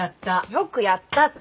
よくやったって。